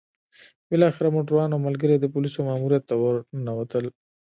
بالاخره موټروان او ملګري يې د پوليسو ماموريت ته ورننوتل.